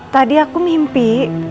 tadi aku mimpi